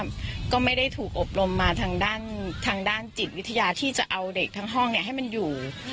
ทุกไม่ได้ถูกโบรมมาทางด้านจิตวิทยาที่จะเอาเด็กทั้งห้องเนี้ยให้มันอยู่